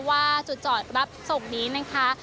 ว่าจุดจอดรับส่งนี้นะคะ